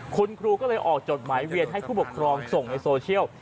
คุณครูก็เลยออกจดหมายเวียนให้ผู้ปกครองส่งในโซเชียล